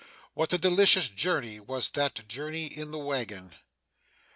What a delicious journey was that journey in the waggon.